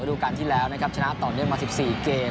ดูการที่แล้วนะครับชนะต่อเนื่องมา๑๔เกม